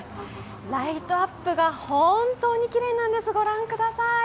ライトアップが本当にきれいなんです、ご覧ください。